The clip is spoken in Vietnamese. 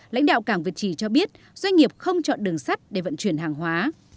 lãnh đạo cảng việt trì cho biết doanh nghiệp không chọn đường sắt để vận chuyển hàng hóa